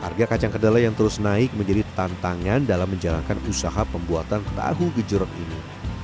harga kacang kedelai yang terus naik menjadi tantangan dalam menjalankan usaha pembuatan tahu gejorok ini